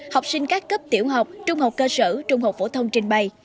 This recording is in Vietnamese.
học sinh các cấp tiểu học trung học cơ sở trung học phổ thông trình bày